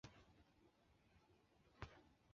沙勒罗瓦。